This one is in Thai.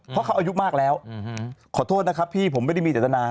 เพราะเขาอายุมากแล้วขอโทษนะครับพี่ผมไม่ได้มีเจตนา